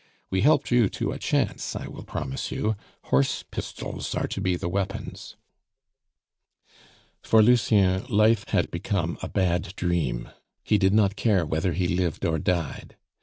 We helped you to a chance, I will promise you; horse pistols are to be the weapons." For Lucien, life had become a bad dream. He did not care whether he lived or died.